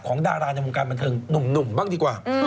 ดาราในวงการบันเทิงหนุ่มบ้างดีกว่า